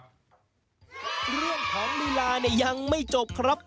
เรื่องของลีลาเนี่ยยังไม่จบครับ